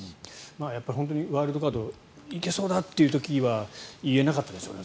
本当にワイルドカード行けそうだという時は言えなかったでしょうね。